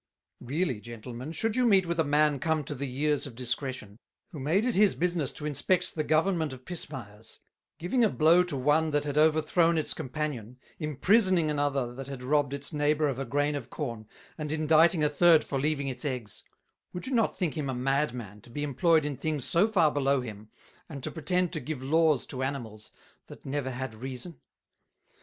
"Really, Gentlemen, should you meet with a Man come to the Years of Discretion, who made it his business to inspect the Government of Pismires, giving a blow to one that had overthrown its Companion, imprisoning another that had robb'd its Neighbour of a grain of Corn, and inditing a third for leaving its Eggs; would you not think him a mad Man, to be employed in things so far below him, and to pretend to give Laws to Animals, that never had Reason?